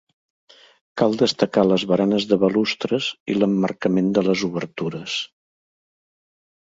Cal destacar les baranes de balustres i l'emmarcament de les obertures.